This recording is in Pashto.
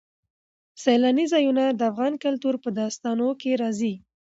سیلانی ځایونه د افغان کلتور په داستانونو کې راځي.